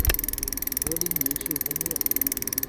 格林尼治宫苑。